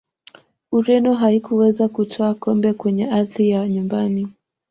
ureno haikuweza kutwaa kombe kwenye ardhi ya nyumbani